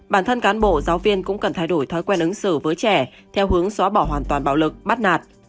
bản thân cán bộ giáo viên cũng cần thay đổi thói quen ứng xử với trẻ theo hướng xóa bỏ hoàn toàn bạo lực bắt nạt